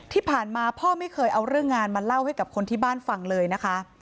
ที่ผ่านมาพ่อไม่เคยเอาเรื่องงานมาเล่าให้กับคนที่บ้านฟังเลยนะคะ